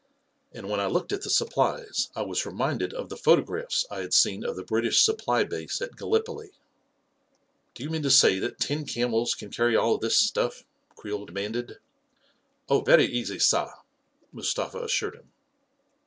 And when I looked at the supplies, I was reminded of the photographs I had seen of the British supply base at Gallipoli. " Do you mean to say that ten camels can carry all of this stuff? " Creel demanded. " Oh, vurry easy, saar," Mustafa assured him.